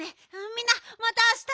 みんなまたあした。